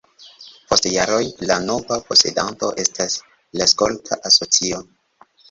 Post jaroj la nova posedanto estas la skolta asocio.